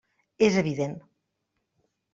És evident.